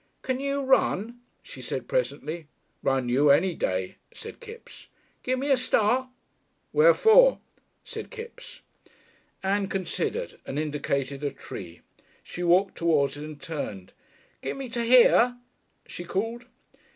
"Can you run?" she said presently. "Run you any day," said Kipps. "Gimme a start?" "Where for?" said Kipps. Ann considered, and indicated a tree. She walked towards it, and turned. "Gimme to here?" she called.